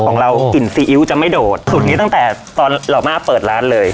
ของเรากลิ่นซีอิ๊วจะไม่โดดสูตรนี้ตั้งแต่ตอนเรามาเปิดร้านเลย